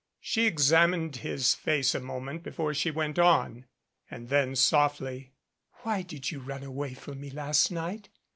She examined his face a moment before she went on. And then softly: "Why did you run away from me last night?